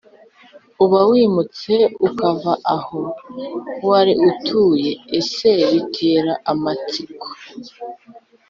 uba wimutse ukava aho wari utuye Ese bitera amatsiko